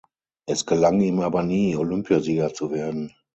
Es gelang ihm aber nie, Olympiasieger zu werden.